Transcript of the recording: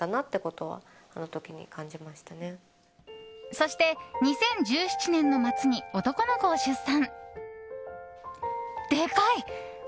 そして、２０１７年の末に男の子を出産。